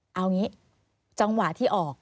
เอาอย่างนี้จังหวะที่ออก